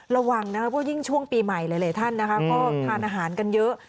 ระวังนะยิ่งช่วงปีใหม่เลยท่านก็ทานอาหารกันเยอะ